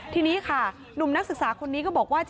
ทีนี้ค่ะหนุ่มนักศึกษาคนนี้ก็บอกว่า